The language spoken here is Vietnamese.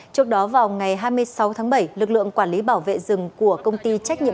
trước đó vào ngày hai mươi sáu tháng bảy lực lượng quản lý bảo vệ rừng của công ty trách nhiệm